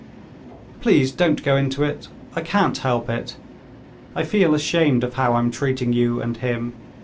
"Please don't go into it! I can't help it. I feel ashamed of how I'm treating you and him.